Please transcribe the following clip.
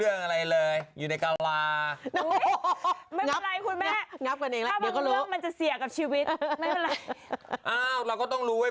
เรื่องนั้นไม่กล้าพูดอีกแล้วอันตราย